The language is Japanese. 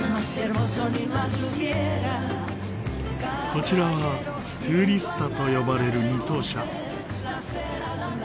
こちらはトゥリスタと呼ばれる二等車。